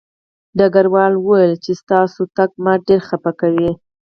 ډګروال وویل چې ستاسو تګ ما ډېر خپه کوي